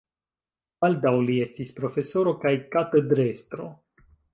Baldaŭ li estis profesoro kaj katedrestro.